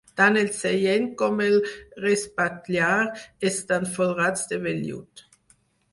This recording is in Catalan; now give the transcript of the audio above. Tant el seient com el respatller estan folrats de vellut.